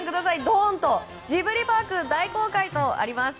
ドーンとジブリパーク大公開とあります。